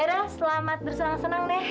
ya dah selamat bersenang senang deh